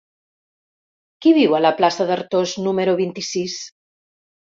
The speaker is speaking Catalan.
Qui viu a la plaça d'Artós número vint-i-sis?